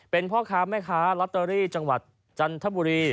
เป็นพ่อค้าแม่ค้าลอตเตอรี่จังหวัดจันทบุรี